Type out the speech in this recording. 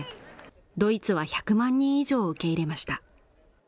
ドイツは１００万人以上を受け入れました。